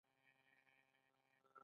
هغې وویل محبت یې د ژوند په څېر ژور دی.